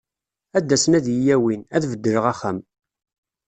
Ad d-asen ad yi-awin, ad beddleɣ axxam.